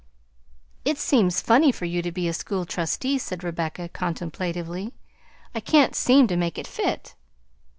"It seems funny for you to be a school trustee," said Rebecca contemplatively. "I can't seem to make it fit."